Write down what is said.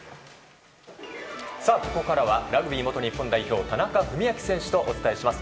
ここからはラグビー元日本代表田中史朗選手とお伝えします。